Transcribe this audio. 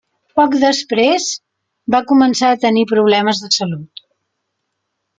Poc després va començar a tenir problemes de salut.